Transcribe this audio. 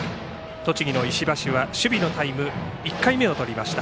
栃木の石橋は守備のタイム１回目をとりました。